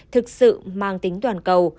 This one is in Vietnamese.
thực sự mang tính toàn cầu